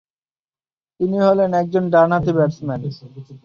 তিনি হলেন একজন ডানহাতি ব্যাটসম্যান।